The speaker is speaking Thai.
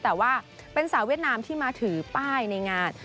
แต่ว่าเป็นสาวเวียดนามที่มาถือป้ายในงาน